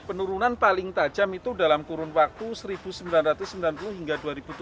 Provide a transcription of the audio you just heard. penurunan paling tajam itu dalam kurun waktu seribu sembilan ratus sembilan puluh hingga dua ribu tujuh belas